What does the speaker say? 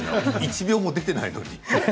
１秒も出ていないのに。